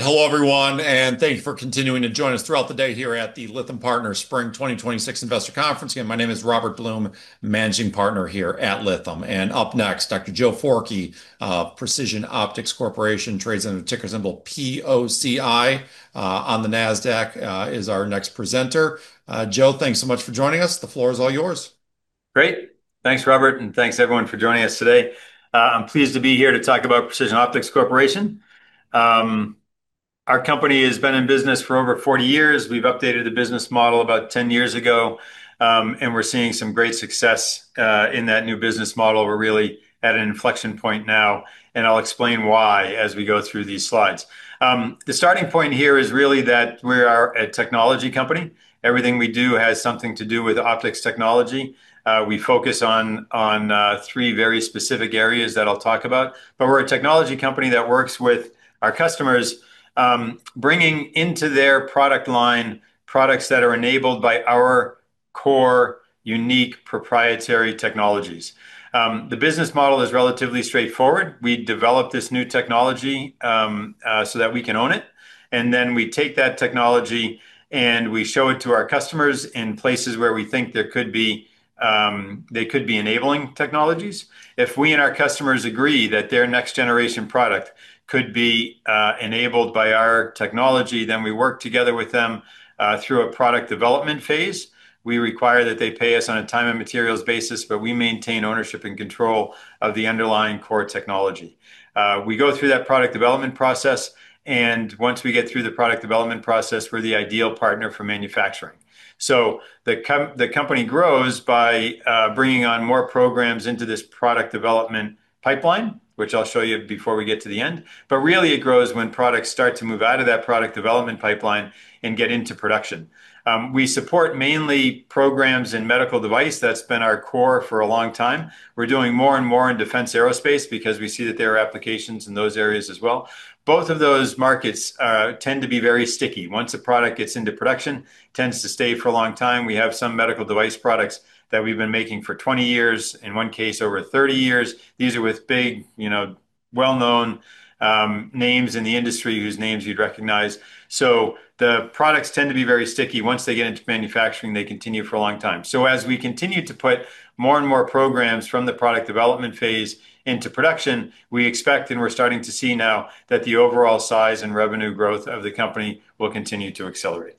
All right. Hello everyone, and thank you for continuing to join us throughout the day here at the Lytham Partners Spring 2026 Investor Conference. Again, my name is Robert Blum, Managing Partner here at Lytham. Up next, Dr. Joe Forkey, Precision Optics Corporation, trades under ticker symbol POCI on the NASDAQ, is our next presenter. Joe, thanks so much for joining us. The floor is all yours. Great. Thanks, Robert, and thanks everyone for joining us today. I'm pleased to be here to talk about Precision Optics Corporation. Our company has been in business for over 40 years. We've updated the business model about 10 years ago, and we're seeing some great success in that new business model. We're really at an inflection point now, and I'll explain why as we go through these slides. The starting point here is really that we are a technology company. Everything we do has something to do with optics technology. We focus on three very specific areas that I'll talk about, but we're a technology company that works with our customers, bringing into their product line products that are enabled by our core unique proprietary technologies. The business model is relatively straightforward. We develop this new technology so that we can own it, and then we take that technology and we show it to our customers in places where we think they could be enabling technologies. If we and our customers agree that their next generation product could be enabled by our technology, then we work together with them through a product development phase. We require that they pay us on a time and materials basis, but we maintain ownership and control of the underlying core technology. We go through that product development process, and once we get through the product development process, we're the ideal partner for manufacturing. The company grows by bringing on more programs into this product development pipeline, which I'll show you before we get to the end. Really it grows when products start to move out of that product development pipeline and get into production. We support mainly programs in medical device. That's been our core for a long time. We're doing more and more in defense aerospace because we see that there are applications in those areas as well. Both of those markets tend to be very sticky. Once a product gets into production, tends to stay for a long time. We have some medical device products that we've been making for 20 years, in one case over 30 years. These are with big, well-known names in the industry whose names you'd recognize. The products tend to be very sticky. Once they get into manufacturing, they continue for a long time. As we continue to put more and more programs from the product development phase into production, we expect and we're starting to see now that the overall size and revenue growth of the company will continue to accelerate.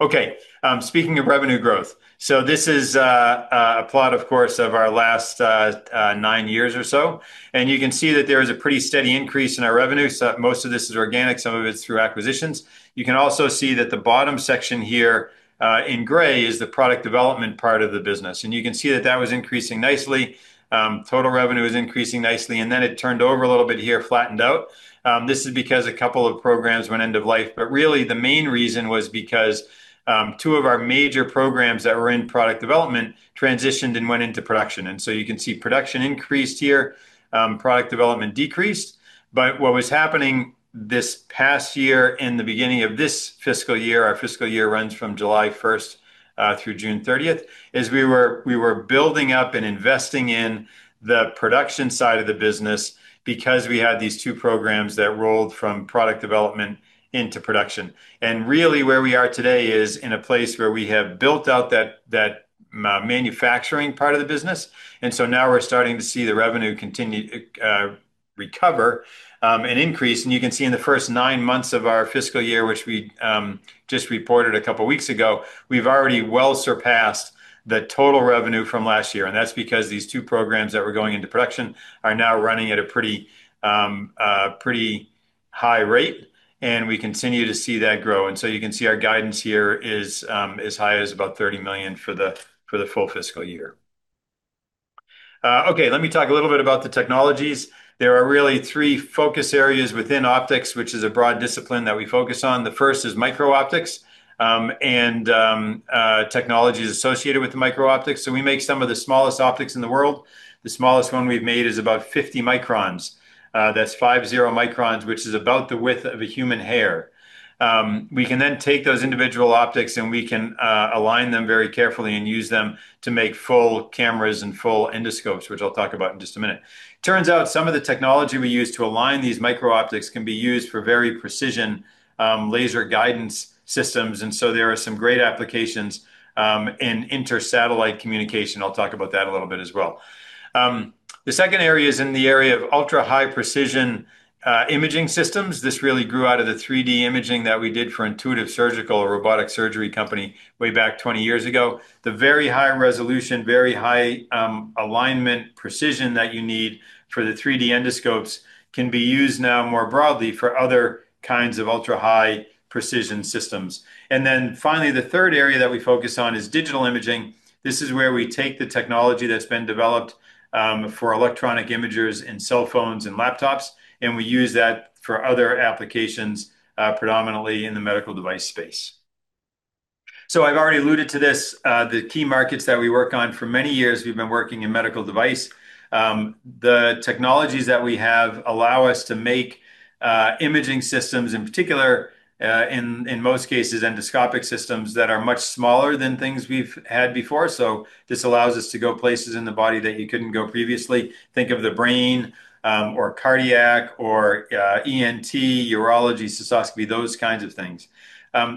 Okay. Speaking of revenue growth, this is a plot of course of our last nine years or so, and you can see that there is a pretty steady increase in our revenue. Most of this is organic, some of it's through acquisitions. You can also see that the bottom section here in gray is the product development part of the business, and you can see that that was increasing nicely. Total revenue was increasing nicely, and then it turned over a little bit here, flattened out. This is because a couple of programs went end of life. Really the main reason was because two of our major programs that were in product development transitioned and went into production. You can see production increased here, product development decreased. What was happening this past year and the beginning of this fiscal year, our fiscal year runs from July 1st through June 30th, is we were building up and investing in the production side of the business because we had these two programs that rolled from product development into production. Really where we are today is in a place where we have built out that manufacturing part of the business. Now we're starting to see the revenue continue to recover and increase. You can see in the first nine months of our fiscal year, which we just reported a couple of weeks ago, we've already well surpassed the total revenue from last year. That's because these two programs that were going into production are now running at a pretty high rate, and we continue to see that grow. You can see our guidance here is as high as about $30 million for the full fiscal year. Okay, let me talk a little bit about the technologies. There are really three focus areas within micro-optics, which is a broad discipline that we focus on. The first is micro-optics, and technologies associated with micro-optics. We make some of the smallest optics in the world. The smallest one we've made is about 50 microns. That's 50 microns, which is about the width of a human hair. We can then take those individual optics and we can align them very carefully and use them to make full cameras and full endoscopes, which I'll talk about in just a minute. Turns out some of the technology we use to align these micro-optics can be used for very precision laser guidance systems. There are some great applications in inter-satellite communication. I'll talk about that a little bit as well. The second area is in the area of ultra-high precision imaging systems. This really grew out of the 3D imaging that we did for Intuitive Surgical, a robotic surgery company way back 20 years ago. The very high resolution, very high alignment precision that you need for the 3D endoscopes can be used now more broadly for other kinds of ultra-high precision systems. Finally, the third area that we focus on is digital imaging. This is where we take the technology that's been developed for electronic imagers in cell phones and laptops, and we use that for other applications, predominantly in the medical device space. I've already alluded to this, the key markets that we work on. For many years, we've been working in medical device. The technologies that we have allow us to make imaging systems, in particular, in most cases, endoscopic systems that are much smaller than things we've had before. This allows us to go places in the body that you couldn't go previously. Think of the brain or cardiac or ENT, urology, cystoscopy, those kinds of things.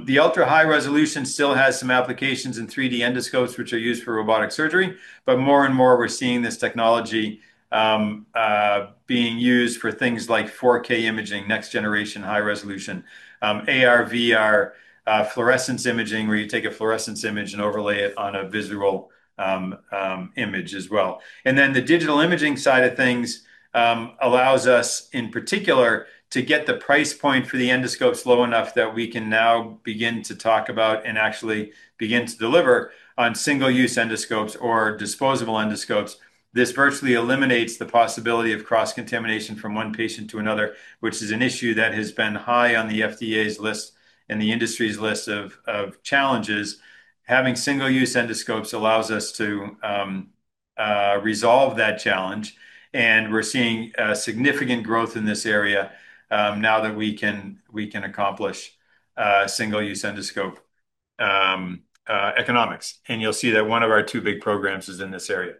The ultra-high resolution still has some applications in 3D endoscopes, which are used for robotic surgery. More and more, we're seeing this technology being used for things like 4K imaging, next generation high resolution, AR, VR, fluorescence imaging, where you take a fluorescence image and overlay it on a visible image as well. The digital imaging side of things allows us, in particular, to get the price point for the endoscopes low enough that we can now begin to talk about and actually begin to deliver on single-use endoscopes or disposable endoscopes. This virtually eliminates the possibility of cross-contamination from one patient to another, which is an issue that has been high on the FDA's list and the industry's list of challenges. Having single-use endoscopes allows us to resolve that challenge, and we're seeing significant growth in this area now that we can accomplish single-use endoscope economics. You'll see that one of our two big programs is in this area.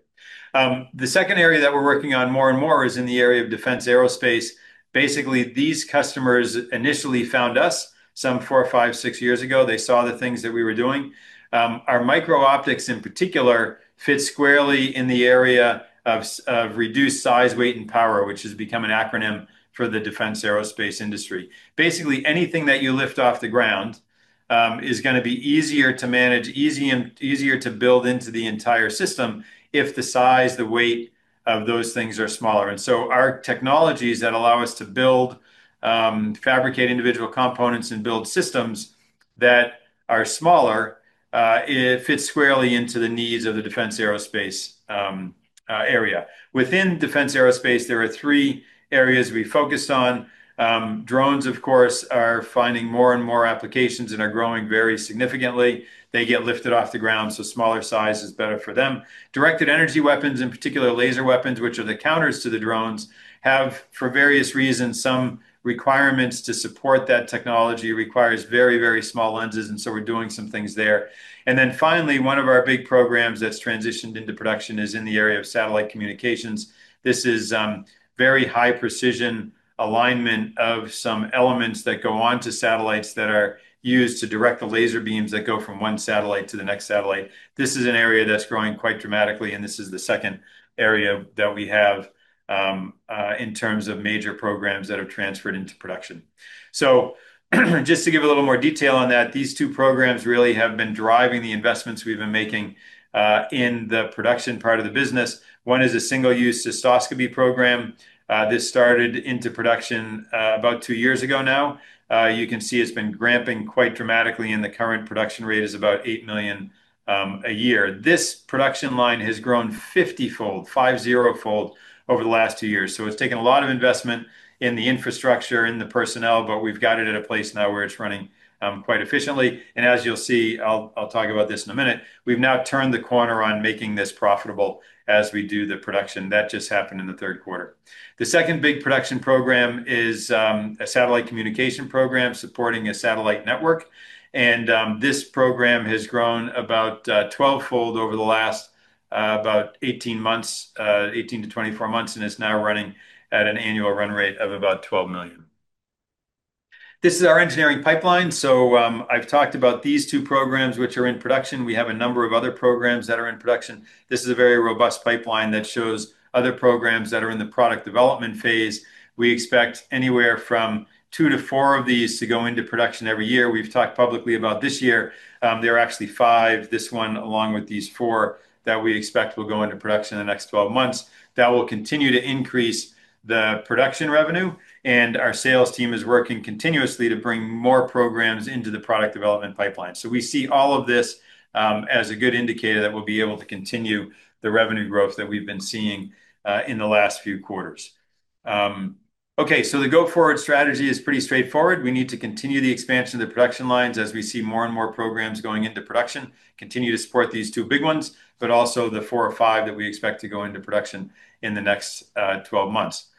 The second area that we're working on more and more is in the area of defense and aerospace. These customers initially found us some four, five, six years ago. They saw the things that we were doing. Our micro-optics, in particular, fit squarely in the area of reduced size, weight, and power, which has become an acronym for the defense and aerospace industry. Anything that you lift off the ground is going to be easier to manage, easier to build into the entire system if the size, the weight of those things are smaller. Our technologies that allow us to build, fabricate individual components and build systems that are smaller, it fits squarely into the needs of the defense and aerospace area. Within defense and aerospace, there are three areas we focused on. Drones, of course, are finding more and more applications and are growing very significantly. They get lifted off the ground, so smaller size is better for them. directed energy weapons, in particular laser weapons, which are the counters to the drones, have, for various reasons, some requirements to support that technology, requires very, very small lenses, and so we're doing some things there. Finally, one of our big programs that's transitioned into production is in the area of inter-satellite communication. This is very high-precision alignment of some elements that go onto satellites that are used to direct the laser beams that go from one satellite to the next satellite. This is an area that's growing quite dramatically, and this is the second area that we have in terms of major programs that have transferred into production. Just to give a little more detail on that, these two programs really have been driving the investments we've been making in the production part of the business. One is a single-use cystoscopy program. This started into production about two years ago now. You can see it's been ramping quite dramatically, and the current production rate is about $8 million a year. This production line has grown 50-fold, 50-fold, over the last two years. It's taken a lot of investment in the infrastructure, in the personnel, but we've got it at a place now where it's running quite efficiently. As you'll see, I'll talk about this in a minute, we've now turned the corner on making this profitable as we do the production. That just happened in the third quarter. The second big production program is a satellite communication program supporting a satellite network. This program has grown about 12-fold over the last about 18 months, 18-24 months, and is now running at an annual run rate of about $12 million. This is our engineering pipeline. I've talked about these two programs, which are in production. We have a number of other programs that are in production. This is a very robust pipeline that shows other programs that are in the product development phase. We expect anywhere from two to four of these to go into production every year. We've talked publicly about this year. There are actually five, this one, along with these four, that we expect will go into production in the next 12 months. That will continue to increase the production revenue, and our sales team is working continuously to bring more programs into the product development pipeline. We see all of this as a good indicator that we'll be able to continue the revenue growth that we've been seeing in the last few quarters. Okay, the go-forward strategy is pretty straightforward. We need to continue the expansion of the production lines as we see more and more programs going into production, continue to support these two big ones, but also the four or five that we expect to go into production in the next 12 months.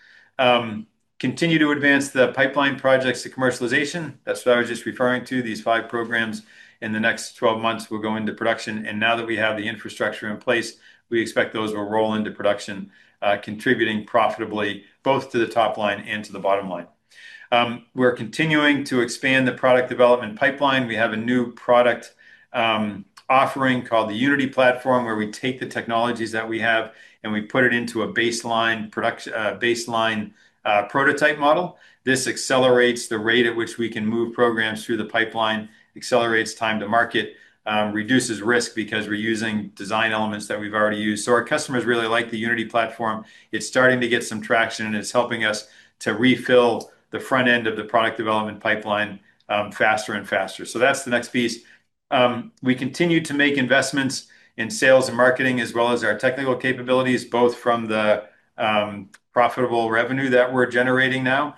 Continue to advance the pipeline projects to commercialization. That's what I was just referring to, these five programs in the next 12 months will go into production. Now that we have the infrastructure in place, we expect those will roll into production, contributing profitably both to the top line and to the bottom line. We're continuing to expand the product development pipeline. We have a new product offering called the Unity Platform, where we take the technologies that we have and we put it into a baseline prototype model. This accelerates the rate at which we can move programs through the pipeline, accelerates time to market, reduces risk because we're using design elements that we've already used. Our customers really like the Unity Platform. It's starting to get some traction, and it's helping us to refill the front end of the product development pipeline faster and faster. That's the next piece. We continue to make investments in sales and marketing as well as our technical capabilities, both from the profitable revenue that we're generating now.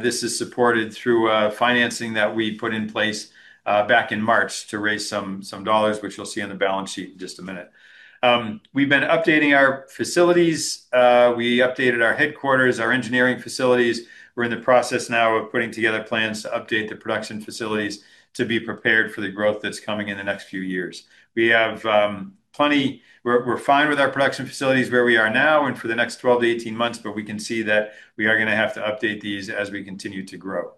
This is supported through financing that we put in place back in March to raise some dollars, which you'll see on the balance sheet in just a minute. We've been updating our facilities. We updated our headquarters, our engineering facilities. We're in the process now of putting together plans to update the production facilities to be prepared for the growth that's coming in the next few years. We're fine with our production facilities where we are now and for the next 12-18 months, we can see that we are going to have to update these as we continue to grow.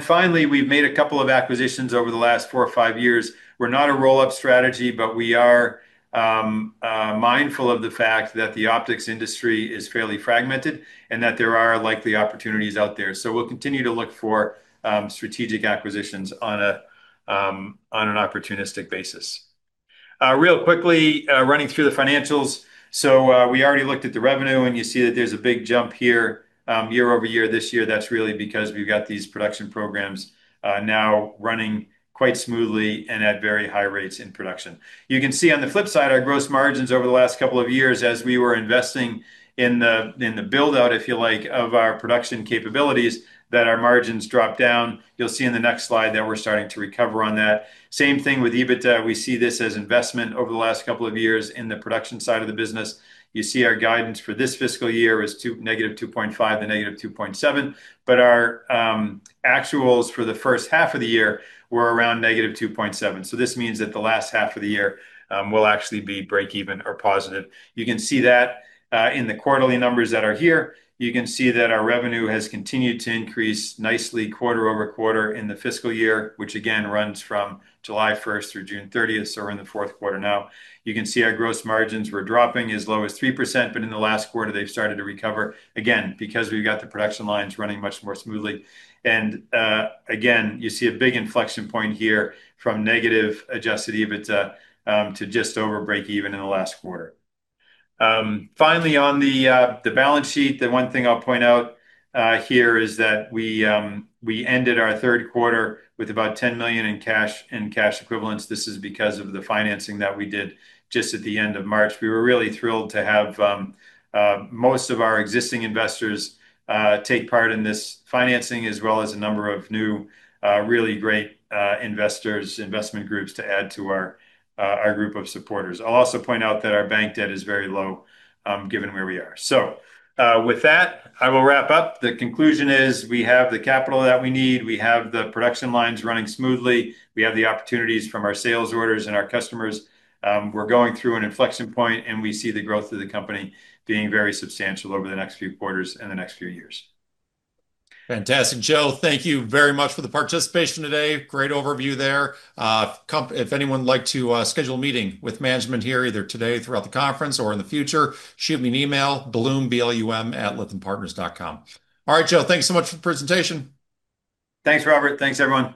Finally, we've made a couple of acquisitions over the last four or five years. We're not a roll-up strategy, we are mindful of the fact that the optics industry is fairly fragmented and that there are likely opportunities out there. We'll continue to look for strategic acquisitions on an opportunistic basis. Real quickly, running through the financials. We already looked at the revenue, and you see that there's a big jump here year-over-year this year. That's really because we've got these production programs now running quite smoothly and at very high rates in production. You can see on the flip side, our gross margins over the last couple of years as we were investing in the build-out, if you like, of our production capabilities, that our margins dropped down. You'll see in the next slide that we're starting to recover on that. Same thing with EBITDA. We see this as investment over the last couple of years in the production side of the business. You see our guidance for this fiscal year was to -2.5 to -2.7, but our actuals for the first half of the year were around -2.7. This means that the last half of the year will actually be breakeven or positive. You can see that in the quarterly numbers that are here. You can see that our revenue has continued to increase nicely quarter over quarter in the fiscal year, which again runs from July 1st through June 30th, so we're in the fourth quarter now. You can see our gross margins were dropping as low as 3%, but in the last quarter they've started to recover, again, because we've got the production lines running much more smoothly. Again, you see a big inflection point here from negative adjusted EBITDA to just over breakeven in the last quarter. Finally, on the balance sheet, the one thing I'll point out here is that we ended our third quarter with about $10 million in cash and cash equivalents. This is because of the financing that we did just at the end of March. We were really thrilled to have most of our existing investors take part in this financing, as well as a number of new, really great investors, investment groups to add to our group of supporters. I'll also point out that our bank debt is very low, given where we are. With that, I will wrap up. The conclusion is we have the capital that we need. We have the production lines running smoothly. We have the opportunities from our sales orders and our customers. We're going through an inflection point, and we see the growth of the company being very substantial over the next few quarters and the next few years. Fantastic. Joe, thank you very much for the participation today. Great overview there. If anyone would like to schedule a meeting with management here, either today, throughout the conference, or in the future, shoot me an email, Blum, B-L-U-M, @lythampartners.com. All right, Joe, thanks so much for the presentation. Thanks, Robert. Thanks, everyone.